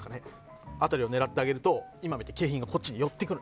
その辺りを狙ってあげると今みたいに景品がこっちに寄ってくる。